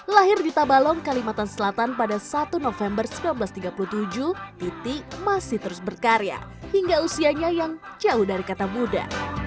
lahir di tabalong kalimantan selatan pada satu november seribu sembilan ratus tiga puluh tujuh titi masih terus berkarya hingga usianya yang jauh dari kata muda